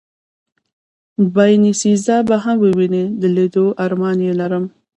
باینیسیزا به هم ووینې، د لېدو ارمان یې لرم.